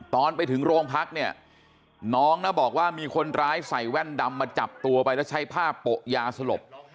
ตอนไปถึงโรงพักเนี่ยน้องนะบอกว่ามีคนร้ายใส่แว่นดำมาจับตัวไปแล้วใช้ผ้าโปะยาสลบ